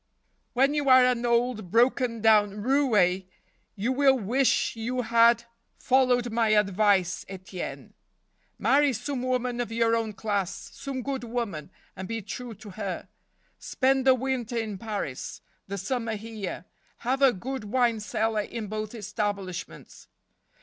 " When you are an old, broken down roue, you will wish you had followed my advice, Etienne. Marry [ 37 ] some woman of your own class, some good woman, and be true to her. Spend the winter in Paris, the summer here. Have a good wine cellar in both establishments.